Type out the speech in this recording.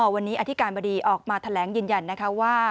วันนี้อธิการบดีออกมาแถลงยืนยันนะคะว่า